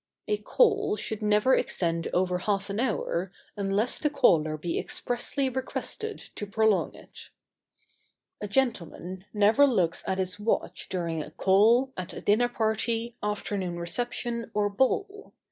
] A call should never extend over half an hour unless the caller be expressly requested to prolong it. [Sidenote: Consulting the watch.] A gentleman never looks at his watch during a call, at a dinner party, afternoon reception or ball.